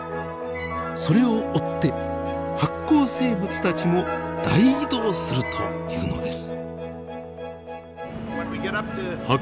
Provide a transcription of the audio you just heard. それを追って発光生物たちも大移動するというのです。